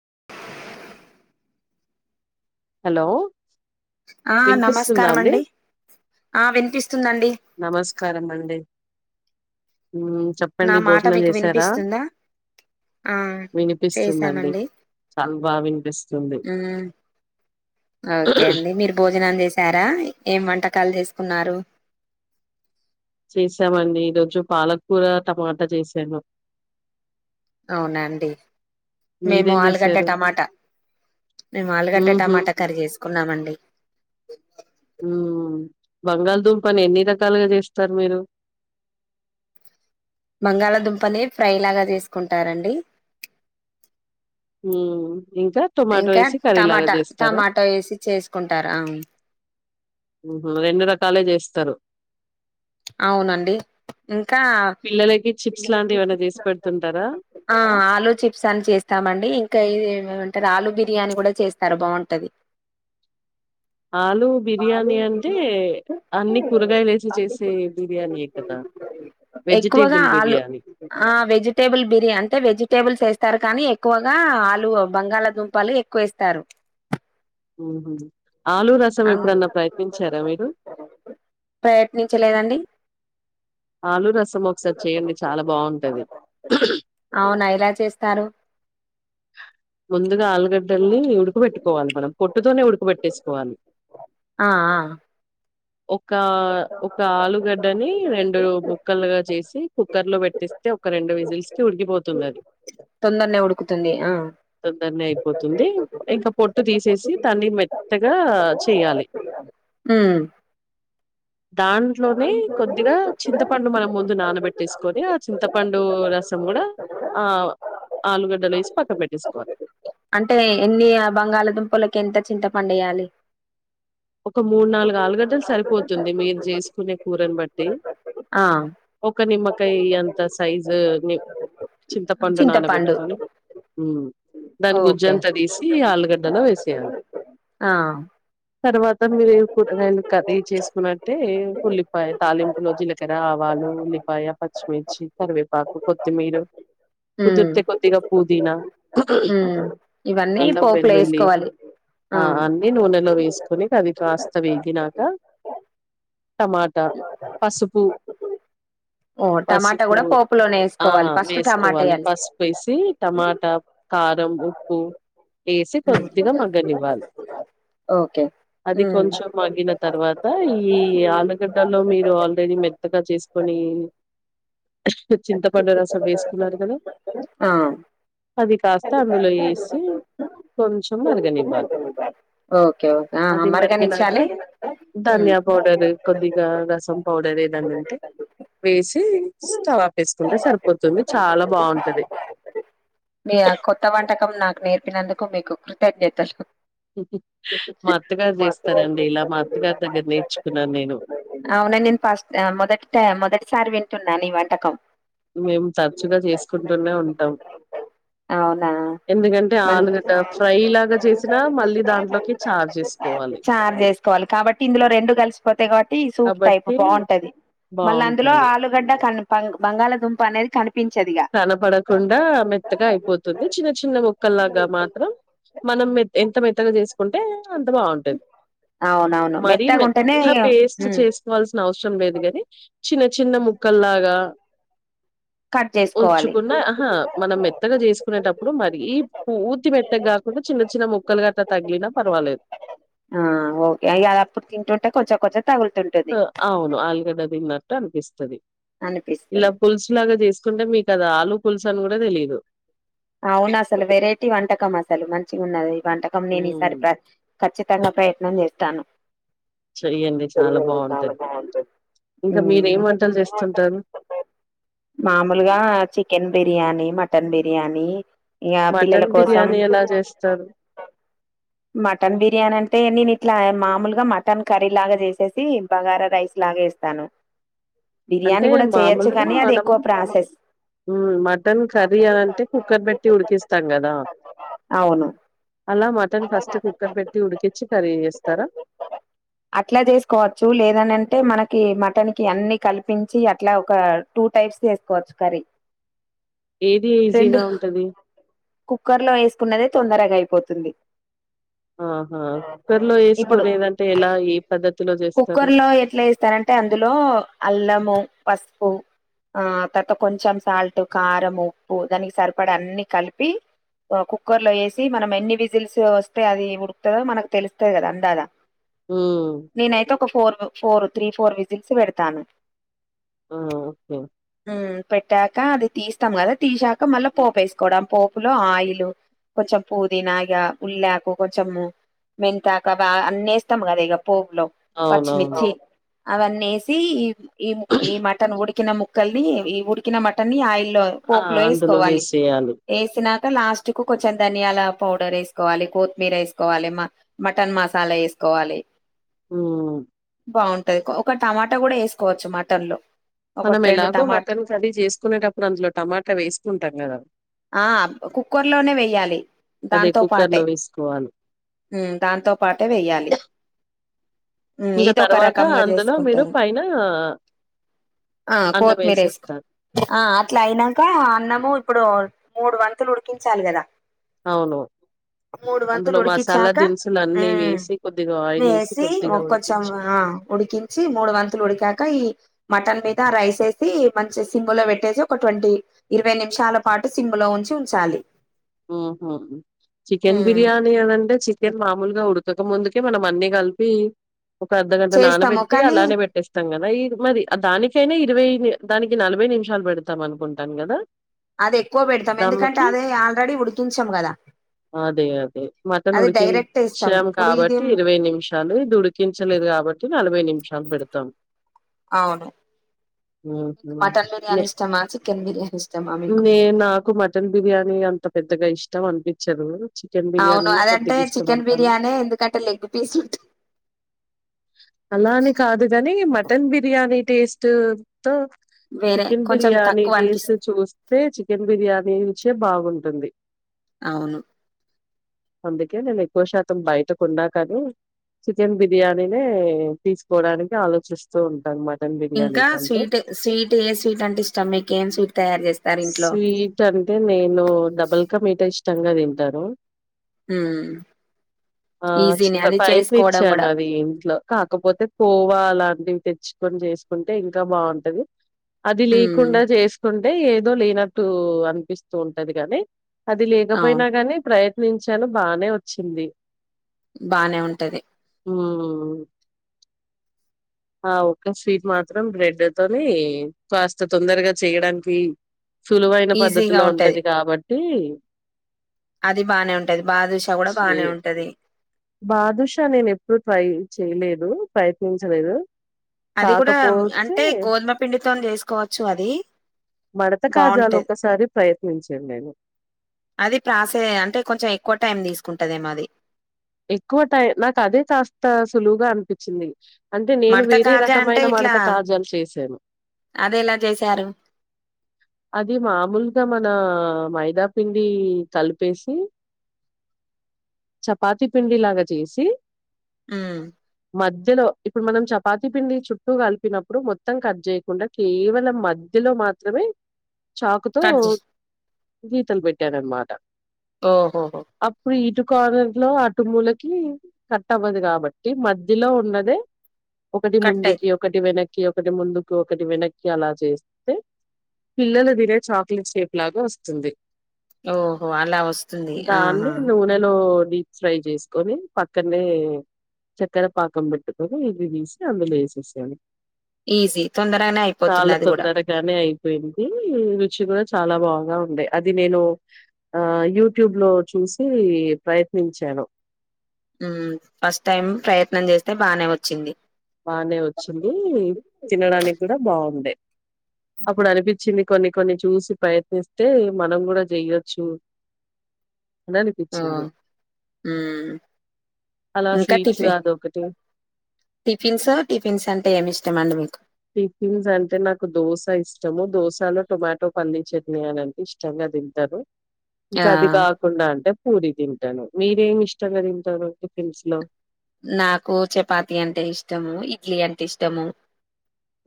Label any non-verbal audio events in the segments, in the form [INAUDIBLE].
[INAUDIBLE] Hello ఆ వినిపిస్తుందా నమస్కారం అండి ఆ వినిపిస్తుందండి నమస్కారమండి ఉమ్ నా చెప్పండి మాట భోజనం మీకు చేసారా వినిపిస్తుందా ఆ వినిపిస్తుందండి చేసామండి చాలా బాగా వినిపిస్తుంది మ్మ్ ఓకే అండి మీరు భోజనం చేసారా ఏం వంట కాళ తీసుకున్నారు చేసామండి ఈరోజు పాలకకూర టమాటా చేసాను అవునండి మేము మీరేం ఆలుగాడ్డ చేసారు టమాటా మేము ఆలుగడ్డ మ్మ్ హ్మ్ టమాటా కర్రీ చేసుకున్నామండి ఉ బంగాళాదుంప ఎన్ని రకాలుగా చేస్తారు మీరు [INAUDIBLE] బంగాళదుంపనే ఫ్రై లాగా తీసుకుంటారండి మ్మ్ ఇంకా టొమాటో ఇంకా వేసి కర్రీ లాగా టమాటా చేస్తారా టమాటా వేసి చేసుకుంటార మ్ రెండు రకాలే చేస్తారు అవునండి ఇంకా పిల్లలకి చిప్స్ లాంటివి ఏమైనా చేసి పెడుతుంటారా ఆ ఆలూ చిప్స్ అని చేస్తామండి ఇంకా ఇది ఏ టారు ఆలుూ బిర్యానీ కూడా చేస్తారు బాగుంటది ఆలు ఆలు బిర్యానీ అంటే బిర్యానీ అన్ని కూరగాయలు వేసి అన్ని చేసే బిర్యానీ ఎ కదా ఎక్కువగా వెజిటేబుల్ ఆలు బిర్యానీ. ఆ వెజిటేబుల్ బిర్యా అంటే వెజిటేబుల్స్ వేస్త స్తారు కానీ ఎక్కువగా ఆలు బంగాళాదుంపలు ఎక్కువ ఎస్తారు అహ ఆలు రసం ఎప్పుడన్నా ప్రయత్నించారా మీరు లేదండి ఆలు రసం ఒకసారి చేయండి చాలా బాగుంటది నా ఎలా చేస్తారు ముందుగా ఆలుగడ్డల్ని ఉడకబెట్టుకోవాలి మనం. పొట్టుతోనే ఉడకబెట్టేసుకోవాలి. ఆ ఆ ఒక ఒక ఆలుగడ్డని రెండు ముక్కలుగా చేసి కుక్కర్ లో పెట్టిస్తే ఒక రెండు విజిల్స్త ఉరిగిపోతుంది అది తొందర్నే ఉడుకుతుంది ఆ తొందర్నే అయిపోతుంది ఇంకా పొట్టు తీసేసి దాన్ని మెత్తగా చేయ్యలి మ్ ఆ దాంట్లోనే కొద్దిగా చింతపండు మనం ముందు నానబెట్టేసుకొని ఆ చింతపండు రసం కూడా ఆ ఆలుగడ్డలో ఎసి పక్కకు పెట్టేసుకోవాలి అంటే ఎన్ని బంగాళాదుంపలకి ఎంత చింత పండువేయాలి ఒక మూడు నాలుగు ఆలుగడ్డలు సరిపోతుంది మీరు చేసుకునే కూరను బట్టి ఆ ఒక నిమ్మకాయి అంత సైజు నిం చింతపండు నానబెట్టుకొని మ్ దాని ఓకే గుజ్జంతా తీసి ఆలు గడ్డలో వేసేయాలి ఆ తర్వాత మీరు కుడా కర్రీ చేసుకున్నంటే ఉల్లిపాయ తాలింపులో జీలకర రావాల్ లు ఉల్లిపాయ పచ్చిమిర్చి కరివేపాకు కొత్తిమీరు ఉమ్ కుదిర్తే కొద్దిగా పూదినా ఉమ్ ఇవన్నీ అల్లం పోపులో వెల్లుల్లి వేసుకోవాలి ఆ అన్నిీ నునెలో వేస్ కొని అది కాస్త వేగినాక టమాటా పసుపు ఓ టమాటా పసుపు కూడా పోపులోనే ఆ వేసుకోవాలి ఫస్ట్ టమాటా వేసుకోవాలి వేయాలి పసుపు వేసి టమాటా కారం ఉప్పు వేసి కొద్దిగా మగ్గనివ్వాలి ఓకే అది కొంచెం మగ్గిన తర్వాత ఈ ఆలుగడ్డలో మీ రు ఆల్రెడీ మెత్తగా చేసుకొని చింతపండు రసం వేసుకున్నారు కదా ఆ అది కాస్త అందులో వేసి కొంచెం మరుగనివ్వాలి ఓకే ఓకే అది మరిగినాక మరగనిచ్చాలి ధనియా పౌడరు కొద్దిగా రసం పౌడర్ ఏదన్న ఉంటే వేసి స్టవ్ ఆపేసుకుంటే సరిపోతుంది చాలా బాగుంటది మీ కొత్త వంటకం నాకు నేర్పినందుకు మీకు కృతజ్ఞతలు కదా మా అత్తగారు చేస్తారండి ఇలా మా అండి అత్తగారి మాగా దగ్గర మాగా నేర్చుకున్నాను నేను. ఆ అవున నేను ఫస్ట్ మొదటి మొదటిసారి వింటున్నా ఈ వంటకం మేము తరచుగా చేసుకుంటూనే ఉంటాం అవునా ఎందుకంటే మ ఆలుగడ్డ ఫ్రై లాగా చేసి వచ్చినా మళ్ళీ దాంట్లోకి ఛార్జెస్ చార్ చేసుకోవాలి కాబట్టి ఇందులో రెండు కలిసిపోతాయి కాబట్టి ఈ సూప్ టైప్ కాబట్టి బాగుంటది మళ్ళ అందులో బావుంటుంది. ఆలుగడ్డ కని బంగాళదుంప అనేది కనిపి కనపడకుండా మెత్తగా అయిపోతుంది చిన్న చిన్న మొక్కల్లాగా మాత్రం మనం మె ఎంత మెత్తగా చేసు అంత బాగుంటది అవునవును మరి మెత్తగా ఉంటేనే మెత్త పేస్ట్ హ్మ్ చేసుకోవాల్సిన అవసరం లేదు గాని చిన్న చిన్న ముక్కల్లాగా కట్ చేసుకోవాలి ఉంచుకున్న ఆహా మనం మెత్తగా చేసుకునేటప్పుడు మరీ పూర్తి మెత్తగాకుండా చిన్న చిన్న కుక్కలు గట్ట తగ్గినా పర్వాలేదు ఆ ఓకే అయిదప్పుడు తింటుంటే కొంచెం కొంచం అవును ఆలుగడ్డ దిన్నట్ అనిపిత్తది ఇలా అనిపిస్తది పులుసు లాగా చేసుకుంటే మీకు అది ఆలు పుల్సు అని కూడా తెలీదు అవును అసలు వెరైటీ వంటకం అసలు మంచిగ ఉన్నది ఈ వంటకం నేను ఈసారి హ్మ్. ఖచ్చిత ప్రయత్నం చేత్తాను చెయ్యండి. చాలా బావుంటది. ఇంకా ఊమ్ మీరేం వంటలు జేస్తుంటారు? మామూలుగా చికెన్ బ బిర్యానీ మటన్ బిర్యానీ ఇగ పిల్లల మటన్ కోసం బిర్యానీ ఎలా జేస్తారు? మటన్ బిర్యానీ అంటే నేను ఇట్లా మామూలుగా మటన్ కర్రీ లాగా చేసేసి బగారా రైస్ లా అలాగేస్తాను అంటే మామూలుగా కానీ అది మనం ఎక్కువ ప్రాసెస్ ఉ మటన్ కర్రీ అని అంటే కుక్కర్ పెట్టి ఉడికిస్తాం కదా అవును అలా మటన్ ఫస్ట్ కుక్కర్ పెట్టి ఉడికిచ్చి కర్రీ చేస్తరా అట్లా చేసుకోవచ్చు లేదు అని అంటే మనకు కి మటన్ కి అన్ని కల్పించి అట్ల ఒక టూ టైప్స్ చేసుకోవచ్చు కర్రీ ఏది రెండు ఈజీగా ఉంటది? కుక్కర్లో వేసుకున్నదే తొందరగా అయిపోతది ఆహా కుక్కర్లో ఇప్పుడు వేసుకునేదంటే ఎలా ఏ పద్ధతిలో చేస్తరు కుక్కర్‌లో ఎట్లా ఏస్తారంటే అందులో అల్లము పసుపు ఆ తర్వాత కొంచెం సాల్ట్ కారం ఉప్పు దానికి సరిపడ అన్ని కలిపి కుక్కర్లో వేసి మనం ఎన్ని విజిల్స్ వస్తే అది ఉడుకుతదో మనకు తెలుత్తది కదా అందదా హ్మ్. నేనైతే ఒక four four three four whistles పెడతాను ఆ! ఓకే. పె పేట్టాక అది తీస్తాం కదా తీసాక మళ్ళీ పోపు వేసుకోవడం ఆ పోపులో ఆయిల్ కొంచెం పుదీనాగా ఉల్లాకు కొంచెం మెంతాక బాగా అన్నేస్తము కద ఇ పోపులో అవునవును. పచ్చిమిర్చి అవన్నీ వేసి ఈ ఈ ఈ మటన్ ఉడికిన ము ఉక్కల్ని ఈ ఉడికిన మటన్ని ఆయిల్లో ఆ! పోపులో అందులో వేసుకోవాలి వేసేయాలి. వేసినా లాస్ట్ కు కొంచెం ధనియాల పౌడర్ వేస్ వేసుకోవాలి కొత్తిమీర వేసుకోవాలి మ మటన్ మసాలా ఎసుకోవాలి హ్మ్. బాగుంటది ఒక టమాటా కూడ వేసుకోవచ్చు మటన్ మనం ఒకటి రెండు ఎలాగో టమాటా మటన్ కర్రీ చేసుకునేటప్పుడు అందులో టమాటా వేసుకుంటాం కదా ఆ కుక్కర్ లోనే వెయ్యాలి అదే దాంతో పాట్ టె కుక్కర్‌లో వేసుకోవాలి. ఉమ్ దాంతో పాటే వెయ్యాలి ఉమ్ ఇంక ఇది ఒక తర్వాత రకంగా అందులో మీరు చేసుకుంటరు పైన ఆ అన్నం కోత్మీర్ ఏసుకొ ఏసేస్తారు. ఆ అట్లా అయినంక అన్నము ఇప్పుడు మూడు వంతులు ఉడికించాలి కదా అవును మూడు వంతులు అందులో మసాలా ఉడికిచ్చాక దినుసులు అన్నీ ఉమ్ వేసి కొద్దిగ ఆయిల్ వేసి కొద్దిగ ఒక కొంచెం ఉడికించి ఆ ఉడికించి మూడు వంతులు ఉడికాక ఈ మటన్ మీద రైస్ ఏసి మంచి సింములో పెట్టేసి ఒక ట్వంటీ ఇరవై నిమిషాల పాటు సింములో ఉన్ చుంచాలి ఉహు చికెన్ బిర్యానీ అని అంటే చికెన్ మామూలుగా ఉడుక్ కక ముందుకే మనం అన్ని కలిపి ఒక అద్దగంట చేస్తాము నానబెట్టి కానీ అలానే పెట్టేస్తాం కదా ఈ మరి దానికైనా ఇ [UNINTELLIGIBLE] దానికి నలభై నిమిషాలు పెడతాం అనుకుంటాను కదా అది ఎక్కువ పెడతాం ఎందుకంటే అదే ఆల్రెడీ ఉడికించం కదా అదే అదే మటన్ అది డైరెక్ట్ ఇస్తాము ఉడికించాం ఇప్పుడు కాబట్టి ఇదేం ఇరవై నిమిషాలు ఇది ఉడికించలేదు కాబట్ ట్టి నలభై నిమిషాలు పెడతం అవును మీకు ఉహు మటన్ నే, బిర్యానీ ఇష్టమా చికెన్ బిర్యానీ ఇష్టమా మీకు నే నాకు మటన్ బిర్యానీ అంత పెద్దగ ఇష్టం అనిపిచ్చదు చికెన్ అవును బిర్యానీనే అదంటే కొద్దిగ చికెన్ ఇష్టపడతాను బిర్యానీ ఎందుకంటే లెగ్ పీస్ ఉంటుంది అలా అని కాదు గాని మటన్ బిర్యానీ టేస్ట్ ట్ వేరే చికెన్ కొంచెం బిర్యానీ తక్కువ టేస్ట్ అనిపిస్తుంది చూస్తే చికెన్ బిర్యానీ రుచే బాగున్ టుంది అవును అందుకే నేను ఎక్కువ శాతం బయటకొన్నా కానీ చికెన్ బిర్యానీనే తీసుకోవడానికి ఆలోచిస్తూ ఉంటాను మట్ ఇంకా స్వీట్ స్వీట్ ఏ స్వీట్ అంటే ఇష్టం మీకు ఏం స్వీట్ తయారు చేస్ స్వీట్ అంటే నేను డబల్కా మీటా ఇష్టంగా తింటానూ ఉమ్మ్ ఆ చిట్టా పైప్ ఇచ్చాను కూడా అవి ఇంట్లో కాకపోతే కోవా లాంటివి తెచ్చుకొని చేసుకుంటే ఇంకా బాగుంటది అది ఉమ్ లేకుండా చేసుకుంటే ఎద్ దొ లేనట్టూ అనిపిస్తూ ఉంటది కాని అది లేకపోయినా అవును కానీ ప్రయత్ నించాను బానే ఒచ్చింది బానే ఉంటది మ్మ్ ఆ ఒక్క స్వీట్ మాత్రం బ్రెడ్ తోనీ కాస్త తొందరగా చేయడానికి సులువైన పద్ధతిలో ఉంటది కాబట్టీ అది బానే ఉంటది బాదుష కూడా చే బానే ఉంటది బాదుషా నేను ఎప్పుడు ట్రై చేయలేదు ప్రయత్నించలేదు అది కూడా కాకపోతే అంటే గోధుమ పిండితోని చేసుకోవచ్చు అది మడత కాజాలు బాగుంటది ఒకసారి ప్రయత్నించా నేను అది ప్రాసె అంటే కొంచెం ఎక్కువ టైం తీసుకుంటదేమో అది ఎక్కువ టై నాకు అదే కాస్త సులువుగా అనిపించింది అంటే నేను మడత వేరే కాజా అంటే రకమైన ఇట్లా మడత కాజాలు చేసాను అదెలా చేశారు? అది మామూలుగా మన మై దా పిండి కలిపేసి చాప్ చేపాతి పిండి లాగా చేసి ఉమ్ మధ్యలో ఇప్పుడు మనం చపాతి పిండి చుట్టూ కలిపినప్పుడు మొత్తం కట్ చేయకుండా కేవలం మధ్య లో మాత్రమే చాకుతో కట్ జేస్ గీతలు పెట్టాన అనమాట ఓహోహో కార్నర్ లో అటు మూలకి కట్ అవ్వదు కాబట్టి మధ్యలో ఉన్నదే ఒకటి కట్ అయి ముందుకి ఒకటి వెనక్కి ఒకటి ముందుకి ఒకటి వెనక్కి అలా చేస్తే పిల్లలు తినే చాక్లెట్ షేప్ లాగా వస్తుంది ఓహో! అలా వస్తుంది. ఆహా! దాన్ని నూనెలో డీప్ ఫ్రై చేసుకొని పక్కనే చేక్కర పాకం పెట్టుకొని ఇవి తీసి అందులో ఏసేసేయలీ ఈజీ తొందరగానే అయిపోతుంది చాలా అది గూడా. తొందరగానే అయిపోయిందీ రుచి కూడా చాలా బాగా ఉండే అది నేను హ యూట్యూబ్ లో చూసి ప్రయత్ త్నించాను హు ఫస్ట్ టైం ప్రయత్నం చేస్తే బానే వచ్చింది బానే వచ్చిందీ తినడానికి కూడా బావున్నాయి అప్పుడు అనిపించింది కొన్ని కొన్ని చూసి ప్రయత్నిస్తే మనం కూడా చెయొచ్చు ఆ హు అలా స్వీట్స్ లో అది ఒకటి టిఫిన్సా టిఫిన్స్ అంటే ఏమి ఇష్టం అండి మీకు టిఫిన్స్ అంటే నాకు దోస ఇష్టము దోసలో టొమాటో పల్లి చెట్ని అని అంటే ఇష్టంగా తింటానూ ఆ! ఇంకా అది కాకుండా అంటే పూరి తింటాను మీరేమి ఇష్టంగా తింటారు టిఫిన్స్ లో నాకు చపాతి అంటే ఇష్టము ఇడ్లీ అంటే ఇష్టము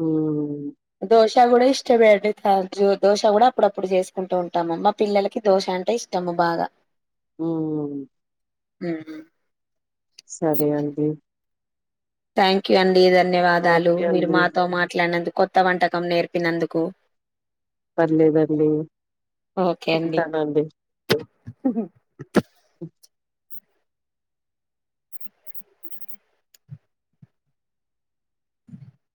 హ్మ్. దోస్ దోస్ కూడా కూడా ఇష్టం అండి దోస కూడా అప్పుడప్పుడు చేసుకుంటూ ఉంటాము మా పిల్లలకి దోస అంటే ఇష్టము బాగా ఉ ఉహు సరే అండి థ్యాంక్యూ అండి ధన్యవాదాలు ఓకే మీరు అండి. మాతో మాట్లాడినందుకు కొత్త వంటకం నేర్పు చెప్పినందుకు పర్లేదండి ఉంటాను అండి [INAUDIBLE]